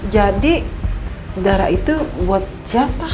jadi darah itu buat siapa